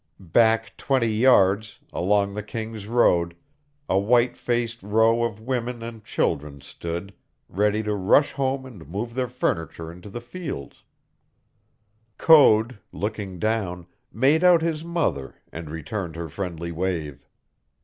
Back twenty yards, along the King's Road, a white faced row of women and children stood, ready to rush home and move their furniture into the fields. Code, looking down, made out his mother and returned her friendly wave.